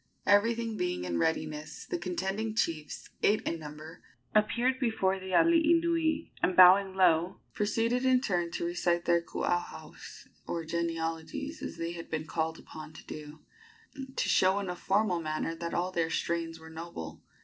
Everything being in readiness, the contending chiefs, eight in number, appeared before the alii nui, and, bowing low, proceeded in turn to recite their kuauhaus, or genealogies, as they had been called upon to do, to show in a formal manner that all their strains were noble.